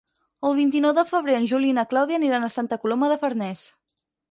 El vint-i-nou de febrer en Juli i na Clàudia aniran a Santa Coloma de Farners.